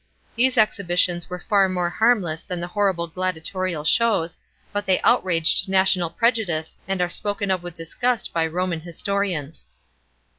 These exhibitions were far more harmless than the horrible gladia torial shows, but they outraged national prejudice and are spoken of with disgust by Roman historians.